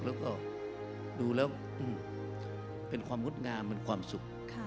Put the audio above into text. แล้วก็ดูแล้วเป็นความงดงามเป็นความสุข